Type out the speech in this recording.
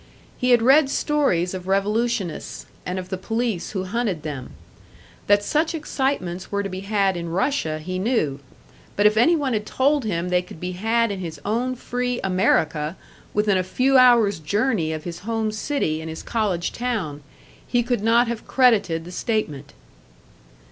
He had read stories of revolutionists, and of the police who hunted them. That such excitements were to be had in Russia, he knew; but if any one had told him they could be had in his own free America, within a few hours' journey of his home city and his college town, he could not have credited the statement.